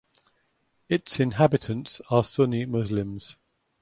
Its inhabitants are Sunni Muslims.